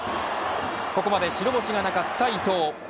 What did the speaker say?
ここまで白星がなかった伊藤。